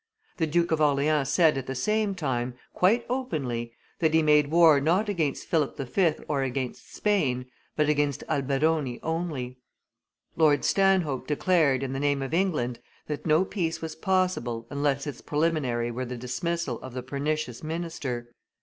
The Duke of Orleans said, at the same time, quite openly, that he made war not against Philip V. or against Spain, but against Alberoni only. Lord Stanhope declared, in the name of England, that no peace was possible, unless its preliminary were the dismissal of the pernicious minister.